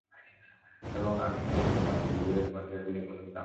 এবং আমি হলে তোমাকে ভিড়ের মধ্যে গুলি করতাম।